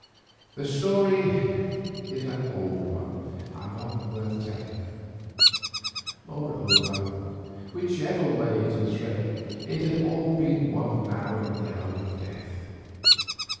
The story is an old one and not worth telling; moreover, whichever way it had read, it had all been one now in the hour of death.